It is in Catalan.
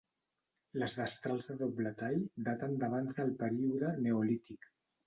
Les destrals de doble tall daten d'abans del període neolític.